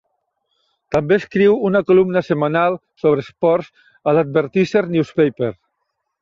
També escriu una columna setmanal sobre esports a l'Advertiser Newspaper.